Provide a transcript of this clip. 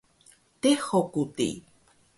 Dehuk ku di